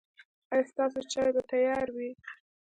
ایا ستاسو چای به تیار وي؟